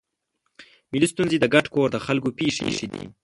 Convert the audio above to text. ملي ستونزې د ګډ کور د خلکو پېښې دي.